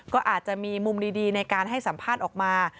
ก็อาจจะมีมุมดีในการให้สัมภาษณ์ออกมา